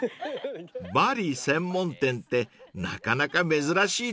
［バリ専門店ってなかなか珍しいですよね］